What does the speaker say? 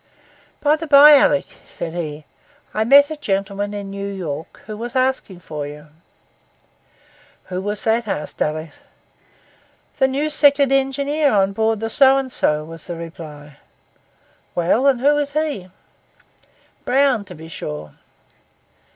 'By the bye, Alick,' said he, 'I met a gentleman in New York who was asking for you.' 'Who was that?' asked Alick. 'The new second engineer on board the So and so,' was the reply. 'Well, and who is he?' 'Brown, to be sure.